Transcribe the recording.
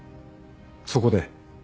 そこで。